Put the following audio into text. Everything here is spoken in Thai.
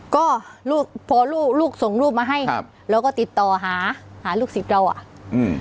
ก็ลูกพอลูกลูกส่งรูปมาให้ครับเราก็ติดต่อหาหาลูกศิษย์เราอ่ะอืม